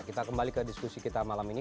kita kembali ke diskusi kita malam ini